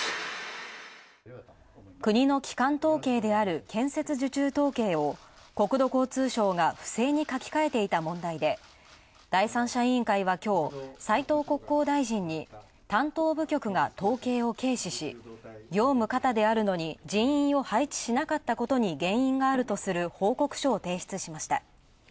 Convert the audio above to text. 国の基幹統計である建設受注統計を国土交通省が不正に書き換えていた問題で第三者委員会は、きょう、斉藤国交大臣に担当部局が統計を軽視し業務過多であるのに人員を配置しなかったことに原因があるとする報告書を提出しました。